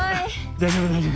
大丈夫大丈夫。